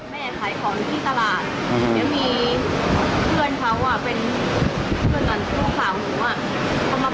แม่ขายของที่ตลาด